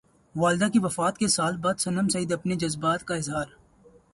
والدہ کی وفات کے سال بعد صنم سعید کا اپنے جذبات کا اظہار